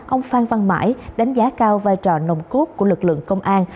ông phan văn mãi đánh giá cao vai trò nồng cốt của lực lượng công an